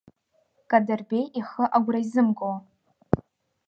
Кадырбеи ихы агәра изымго.